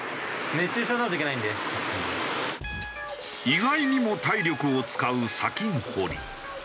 意外にも体力を使う砂金掘り。